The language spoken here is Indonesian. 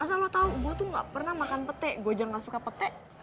asal lo tau gue tuh gak pernah makan petek gue aja gak suka petek